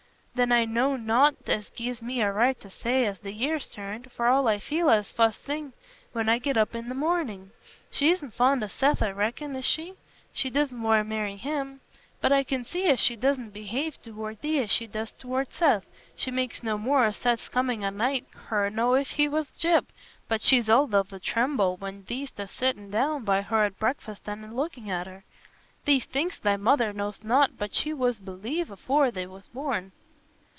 "Then I knowna nought as gi'es me a right to say as the year's turned, for all I feel it fust thing when I get up i' th' morning. She isna fond o' Seth, I reckon, is she? She doesna want to marry him? But I can see as she doesna behave tow'rt thee as she daes tow'rt Seth. She makes no more o' Seth's coming a nigh her nor if he war Gyp, but she's all of a tremble when thee't a sittin' down by her at breakfast an' a looking at her. Thee think'st thy mother knows nought, but she war alive afore thee wast born."